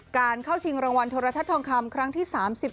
เข้าชิงรางวัลโทรทัศน์ทองคำครั้งที่๓๑